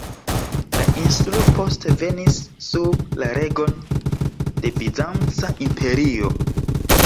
La insulo poste venis sub la regon de Bizanca imperio.